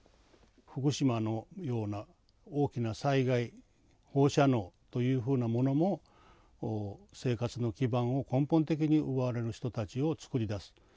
フクシマのような大きな災害放射能というふうなものも生活の基盤を根本的に奪われる人たちをつくり出す。